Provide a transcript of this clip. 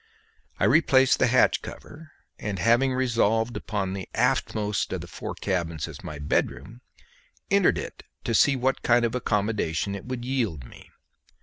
I replaced the hatch cover, and having resolved upon the aftmost of the four cabins as my bedroom, entered it to see what kind of accommodation it would yield me.